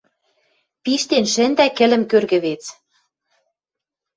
Пиштен шӹндӓ кӹлӹм кӧргӹ вец.